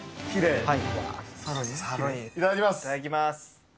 いただきます。